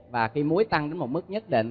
và khi muối tăng đến một mức nhất định